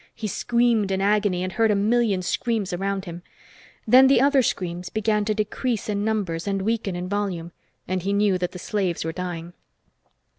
He screamed in agony, and heard a million screams around him. Then the other screams began to decrease in numbers and weaken in volume, and he knew that the slaves were dying.